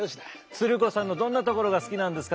鶴子さんのどんなところが好きなんですか？